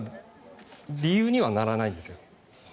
理由にはならないんですよ。